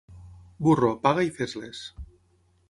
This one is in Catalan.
Burro, paga i fes-les.